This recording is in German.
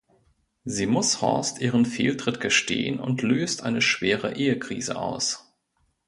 Sie muss Horst ihren Fehltritt gestehen und löst eine schwere Ehekrise aus.